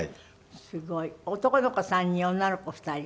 すごい。男の子３人女の子２人。